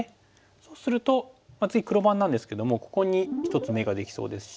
そうすると次黒番なんですけどもここに１つ眼ができそうですし。